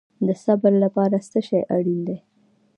د صبر لپاره څه شی اړین دی؟